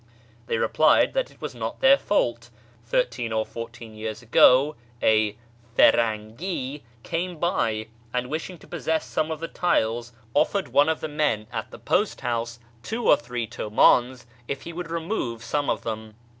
They replied that it was not their fault : thirteen tr fourteen years ago a " Firangi " came by, and, wishing to ')ossess some of the tiles, offered one of the men at the post 15 226 A YEAR AMONGST THE PERSIANS house two or three tumAns if he would remove some of them.